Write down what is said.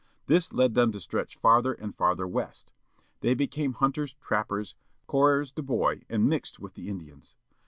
This led them to stretch farther and farther west. They became hunters, trappers, coureurs de bois, and mixed with the Indians.